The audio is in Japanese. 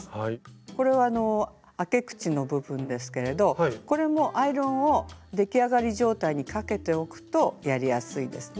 これはあけ口の部分ですけれどこれもアイロンを出来上がり状態にかけておくとやりやすいですね。